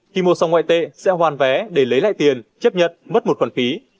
khi mua xong ngoại tệ sẽ hoàn vé để lấy lại tiền chấp nhận mất một khoản phí